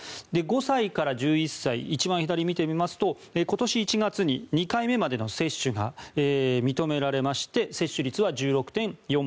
５歳から１１歳一番左を見てみますと今年１月に２回目までの接種が認められまして接種率は１６．４％。